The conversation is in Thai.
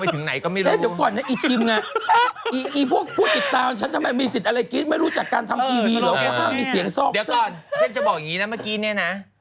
เหมือนที่พี่พูดเนี่ยจะได้ไม่ต้องช้ำใจ